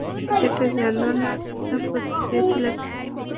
যেটা জানো না সেটা করতে গিয়েছিলে কেন?